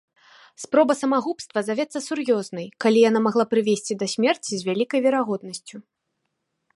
Спроба самагубства завецца сур'ёзнай, калі яна магла прывесці да смерці з вялікай верагоднасцю.